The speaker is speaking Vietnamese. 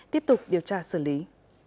tiếp tục điều tra xử lý